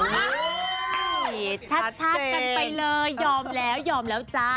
เย้ชัดกันไปเลยยอมแล้วจ้า